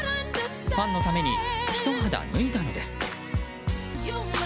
ファンのためにひと肌脱いだのです。